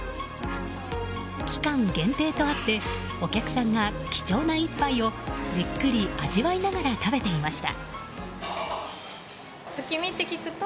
期間限定とあって、お客さんが貴重な１杯をじっくり味わいながら食べていました。